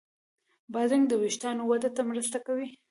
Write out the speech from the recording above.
بادرنګ د وېښتانو وده ته مرسته کوي.